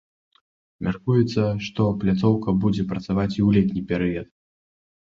Мяркуецца, што пляцоўка будзе працаваць і ў летні перыяд.